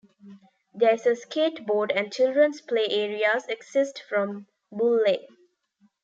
There is a skateboard and children's play areas, accessed from Bull Lane.